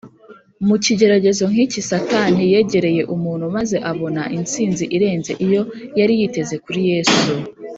Mu kigeragezo nk’iki Satani yegereye umuntu, maze abona intsinzi irenze iyo yari yiteze kuri Yesu